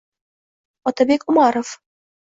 Otabek Umarov: